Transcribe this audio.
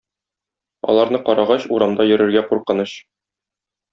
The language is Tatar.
Аларны карагач, урамда йөрергә куркыныч.